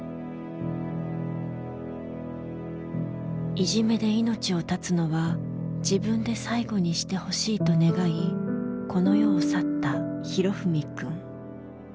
いじめで命を絶つのは自分で最後にしてほしいと願いこの世を去った裕史くん。